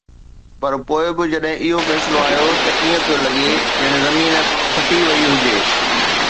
پر پوءِ به جڏهن فيصلو آيو ته ائين پئي لڳو ڄڻ زمين ڦٽي وئي هجي.